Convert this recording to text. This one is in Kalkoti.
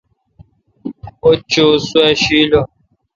اوجوت سوا شی لو۔